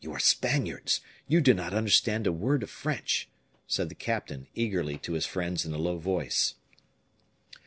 "You are Spaniards you do not understand a word of French," said the captain, eagerly, to his friends in a low voice.